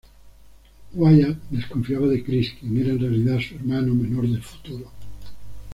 Wyatt desconfiaba de Chris, quien era en realidad su hermano menor del futuro.